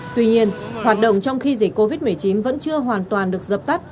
tuy nhiên hoạt động trong khi dịch covid một mươi chín vẫn chưa hoàn toàn được dập tắt